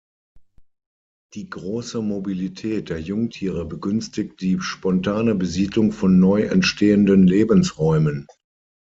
Die große Mobilität der Jungtiere begünstigt die spontane Besiedlung von neu entstehenden Lebensräumen.